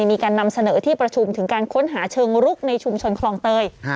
มีการนำเสนอที่ประชุมถึงการค้นหาเชิงรุกในชุมชนคลองเตย